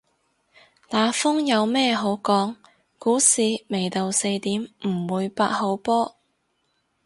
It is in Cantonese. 打風有咩好講，股市未到四點唔會八號波